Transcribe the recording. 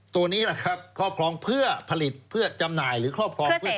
ตัวนี้แหละครับครอบครองเพื่อผลิตเพื่อจำหน่ายหรือครอบครอง